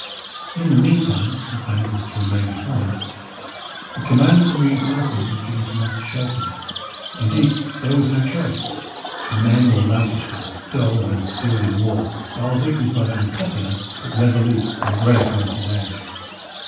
In the meantime, as Bennet was to remain behind, the command of the reinforcement was given to Master Shelton. Indeed, there was no choice; the men were loutish fellows, dull and unskilled in war, while Dick was not only popular, but resolute and grave beyond his age.